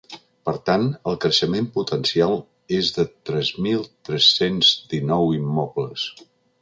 Per tant, el creixement potencial és de tres mil tres-cents dinou immobles.